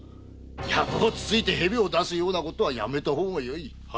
ヤブをつついてヘビを出すようなことはやめた方がよい。